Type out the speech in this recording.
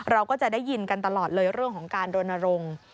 เราก็จะได้ยินกันตลอดเลยเรื่องของการรณรงค์